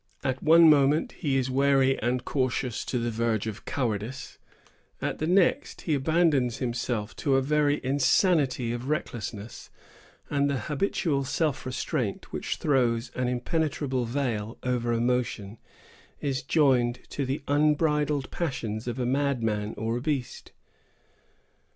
At one moment, he is wary and cautious to the verge of cowardice; at the next, he abandons himself to a very insanity of recklessness; and the habitual self restraint which throws an impenetrable veil over emotion is joined to the unbridled passions of a madman or a beast.